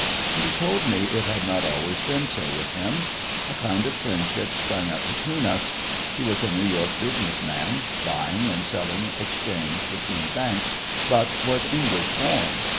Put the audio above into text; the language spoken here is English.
And he told me it had not always been so with him. A kind of friendship sprang up between us. He was a New York business man buying and selling exchange between banks but was English born.